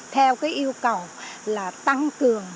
theo cái yêu cầu là tăng cường